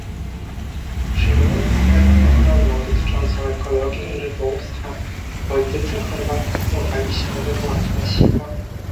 przyjmując strefę ochronną dotyczącą ekologii i rybołówstwa politycy chorwaccy złapali się we własne sidła